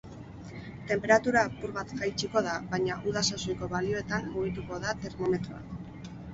Tenperatura apur bat jaitsiko da baina uda sasoiko balioetan mugituko da termometroa.